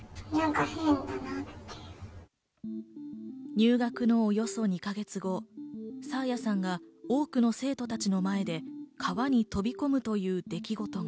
入学のおよそ２か月後、爽彩さんが多くの生徒たちの前で川に飛び込むという出来事が。